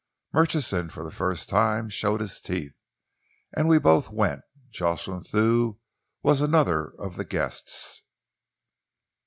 Murchison for the first time showed his teeth and we both went. Jocelyn Thew was another of the guests."